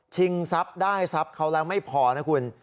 ทรัพย์ได้ทรัพย์เขาแล้วไม่พอนะคุณ